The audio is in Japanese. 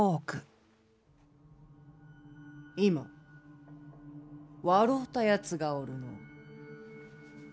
今笑うたやつがおるの。